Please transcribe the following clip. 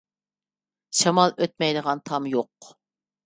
شامال ئۆتمەيدىغان تام يوق.